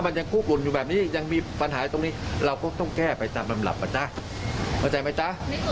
เรื่องของเราก็ไม่ทราบก่อนว่า